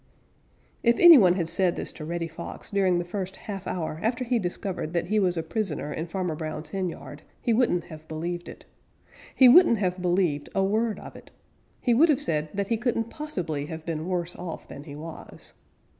_ If any one had said this to Reddy Fox during the first half hour after he discovered that he was a prisoner in Farmer Brown's henyard, he wouldn't have believed it. He wouldn't have believed a word of it. He would have said that he couldn't possibly have been worse off than he was.